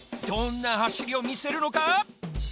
どんなはしりをみせるのか！？